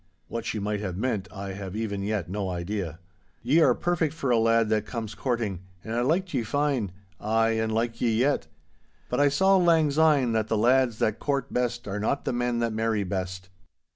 What she might have meant I have even yet no idea. 'Ye are perfect for a lad that comes courting, and I liked ye fine—ay, and like ye yet. But I saw lang syne that the lads that court best are not the men that marry best.